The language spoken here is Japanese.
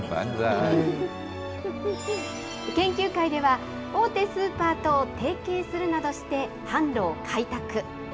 研究会では、大手スーパーと提携するなどして、販路を開拓。